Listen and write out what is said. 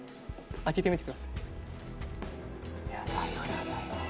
開けてみてください。